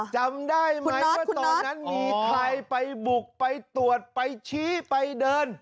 จำได้ไหมว่าตอนนั้นมีใครไปบุกไปตรวจไปชี้ไปเดิน